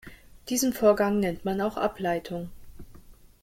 Diesen Vorgang nennt man auch Ableitung.